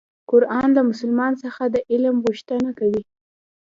قرآن له مسلمان څخه د عمل غوښتنه کوي.